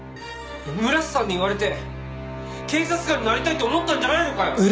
村瀬さんに言われて警察官になりたいって思ったんじゃないのかよ！